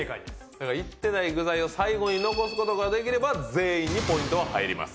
だから言ってない具材を最後に残すことができれば全員にポイントは入ります。